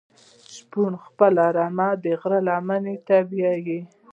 شپون خپله رمه د غره لمنی ته بیایی.